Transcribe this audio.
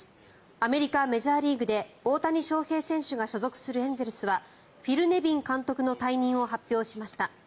アメリカ・メジャーリーグで大谷翔平選手が所属するエンゼルスはフィル・ネビン監督の退任を発表しました。